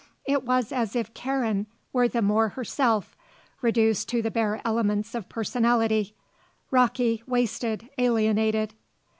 It was as if Karen were the more herself, reduced to the bare elements of personality; rocky, wasted, alienated.